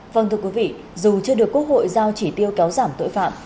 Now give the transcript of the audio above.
vâng thưa quý vị dù chưa được quốc hội giao chỉ tiêu kéo giảm tội phạm